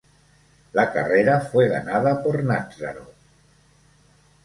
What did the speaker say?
La carrera fue ganada por Nazzaro.